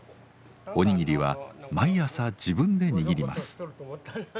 おにぎりは毎朝自分でにぎります。